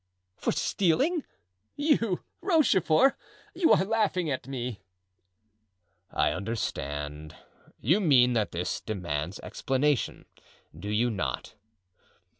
"For stealing! you, Rochefort! you are laughing at me." "I understand. You mean that this demands explanation, do you not?"